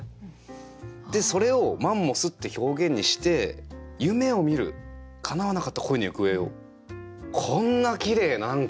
でそれを「マンモス」って表現にして「夢を見る叶わなかった恋の行方を」。こんなきれい何か。